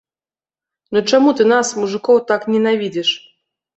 Ну чаму ты нас, мужыкоў, так ненавідзіш?